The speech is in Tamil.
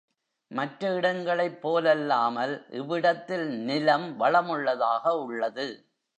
மற்ற இடங்களைப் போலல்லாமல் இவ்விடத்தில் நிலம் வளமுள்ளதாக உள்ளது.